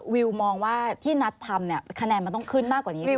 วิวมองว่าที่นัททำคะแนนมันต้องขึ้นมากกว่านี้หรือแม่